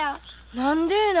何でえな？